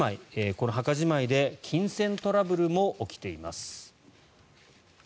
この墓じまいで金銭トラブルも起きています。